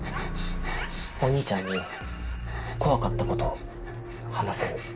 お兄ちゃんに怖かったこと話せる？